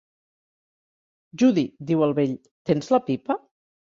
"Judy", diu el vell, "tens la pipa?"